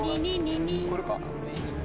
これか。